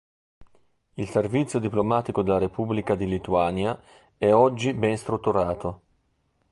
Il servizio diplomatico della Repubblica di Lituania è oggi ben strutturato.